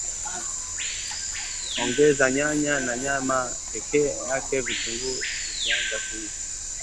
Ongeza nyanya na nyama peke yake vitunguu vikianza kuiva